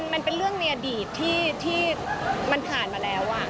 มันเป็นเรื่องในอดีตที่มันผ่านมาแล้ว